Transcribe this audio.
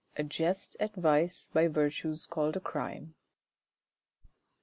A jest at vice by virtue s called a crime.